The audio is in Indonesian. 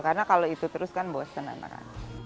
karena kalau itu terus kan bosen anak anak